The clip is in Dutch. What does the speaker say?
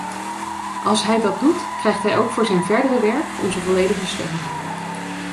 Als hij dat doet, krijgt hij ook voor zijn verdere werk onze volledige steun.